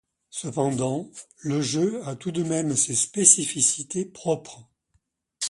Cependant, le jeu a tout de même ses spécificités propres.